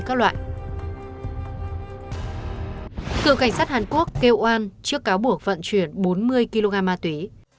cảnh sát hàn quốc kêu oan trước cáo buộc vận chuyển bốn mươi kg ma túy